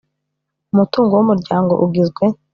umutungo w umuryango ugizwe